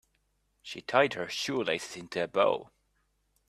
She tied her shoelaces into a bow.